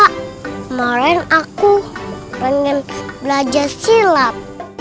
kemarin aku pengen belajar cilap